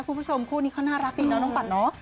คู่พุชมคู่นี้เค้าน่ารักอีกนะน้องปันเนาะ